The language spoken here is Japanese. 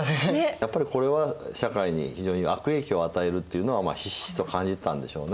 やっぱりこれは社会に非常に悪影響を与えるっていうのはひしひしと感じてたんでしょうね。